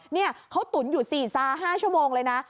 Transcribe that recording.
เนี่ยเขาตุ้นอยู่สี่ซาห้าชั่วโมงเลยนะ